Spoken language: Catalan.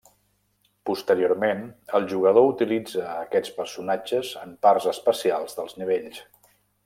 Posteriorment, el jugador utilitza a aquests personatges en parts especials dels nivells.